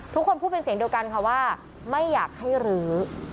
ทุกคนพูดเป็นเสียงเดียวกันค่ะว่าไม่อยากให้รื้อ